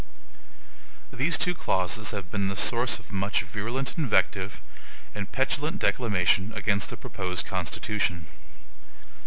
These two clauses have been the source of much virulent invective and petulant declamation against the proposed Constitution.